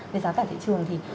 về giá cả thị trường thì